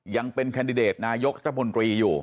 ยังเป็นแคนดิเดตนายกรัฐมนตรีอยู่